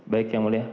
baik yang mulia